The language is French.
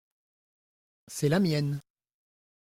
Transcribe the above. C’est la mienne.